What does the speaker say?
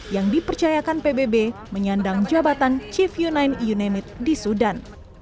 yang dipercayakan pbb menyandang jabatan chief united unit di sudan